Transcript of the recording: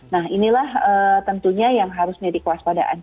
nah inilah tentunya yang harus menjadi kuas pada anjingnya